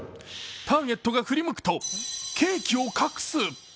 ターゲットが振り向くと、ケーキを隠す。